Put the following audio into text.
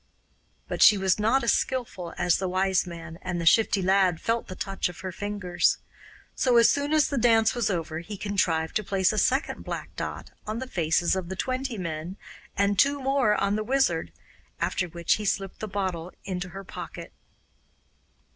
But she was not as skilful as the Wise Man, and the Shifty Lad felt the touch of her fingers; so as soon as the dance was over he contrived to place a second black dot on the faces of the twenty men and two more on the Wizard, after which he slipped the bottle into her pocket.